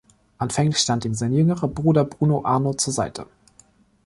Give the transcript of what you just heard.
Anfänglich stand ihm sein jüngerer Bruder Bruno Arno zur Seite.